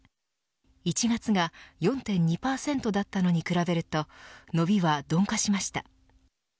１月が４．２％だったのに比べると伸びは鈍化しました。